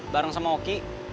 bareng sama oki